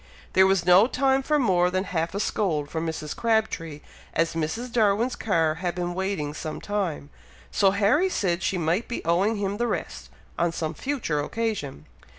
There was no time for more than half a scold from Mrs. Crabtree, as Mrs. Darwin's car had been waiting some time; so Harry said she might be owing him the rest, on some future occasion.